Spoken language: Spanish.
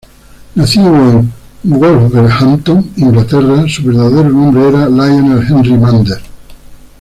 Nacido en Wolverhampton, Inglaterra, su verdadero nombre era Lionel Henry Mander.